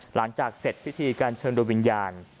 หลังจากเสร็จพิธีการเชิญโดยวิญญาณ